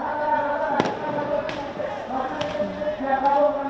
jangan lupa ribuan mengikut sd b